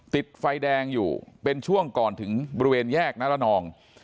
ติดไฟแดงอยู่เป็นช่วงก่อนถึงบริเวณแยกนรนอง